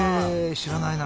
知らないな。